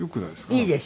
いいです。